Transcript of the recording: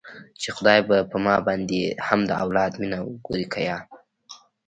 چې خداى به په ما باندې هم د اولاد مينه وګوري که يه.